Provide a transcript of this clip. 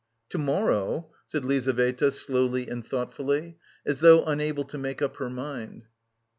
"To morrow?" said Lizaveta slowly and thoughtfully, as though unable to make up her mind.